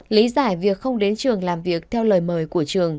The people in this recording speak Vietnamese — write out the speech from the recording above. lý giải việc không đến trường làm việc theo lời mời của trường